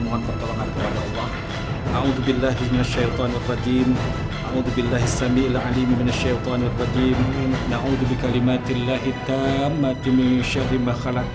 mohon pertolongan kepada allah